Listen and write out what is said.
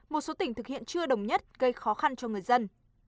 một số tỉnh thực hiện chưa đồng nhất gây khó khăn cho người dân